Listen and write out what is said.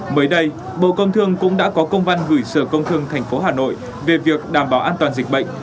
mới đây bộ công thương cũng đã có công văn gửi sở công thương tp hà nội về việc đảm bảo an toàn dịch bệnh